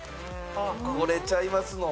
これちゃいますの？